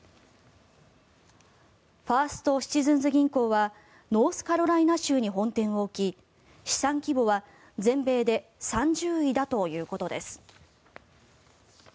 ファースト・シチズンズ銀行はノースカロライナ州に本店を置き資産規模は全米で３０位だということです。